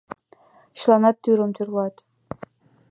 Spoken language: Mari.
Чыланат тӱрым тӱрлат.